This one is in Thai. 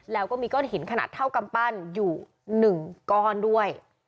แล้วก็มีก้อนหินขนาดเท่ากำปั้นอยู่๑ก้อนด้วย